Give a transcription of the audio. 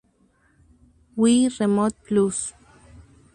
Wii Remote Plus.